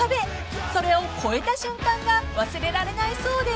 ［それを越えた瞬間が忘れられないそうで］